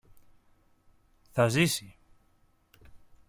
Θα ζήσει!